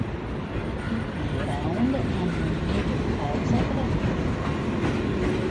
Tutti i round hanno un minuto di pausa tra loro.